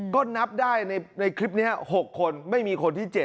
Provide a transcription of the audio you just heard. ก็นับได้ในคลิปนี้๖คนไม่มีคนที่๗